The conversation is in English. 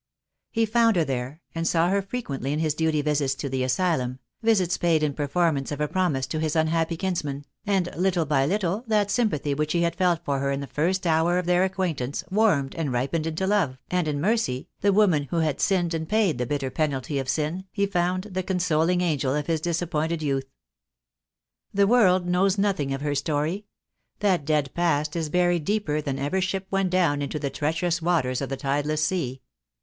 He found her there, and saw her frequently in his duty visits to the Asylum — visits paid in performance of a promise to his unhappy kinsman — and little by little that sympathy which he had felt for her in the first hour of their acquaintance warmed and ripened into love, and in Mercy, the woman who had sinned and paid the bitter penalty of sin, he found the consoling angel of his dis appointed youth. The world knows nothing of her story. That dead past is buried deeper than ever ship went down into the treacherous waters of the tideless sea.